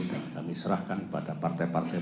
dan kami serahkan kepada partai partai